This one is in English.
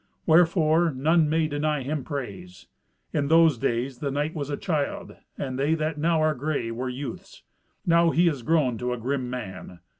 Wherefore none may deny him praise. In those days the knight was a child, and they that now are grey were youths. Now he is grown to a grim man.